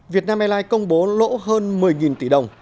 việt nam airlines công bố lỗ hơn một mươi tỷ đồng